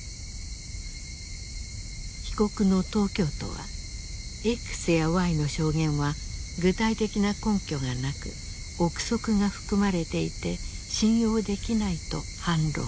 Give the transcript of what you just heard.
被告の東京都はＸやＹの証言は具体的な根拠がなく臆測が含まれていて信用できないと反論。